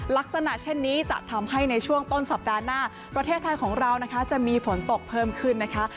ลักษณะเช่นนี้จะทำให้ในช่วงต้นสัปดาห์หน้าประเทศไทยของเรานะคะจะมีฝนตกเพิ่มขึ้นนะคะ